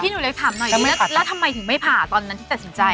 หนูเลยถามหน่อยแล้วทำไมถึงไม่ผ่าตอนนั้นที่ตัดสินใจ